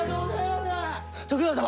徳川様！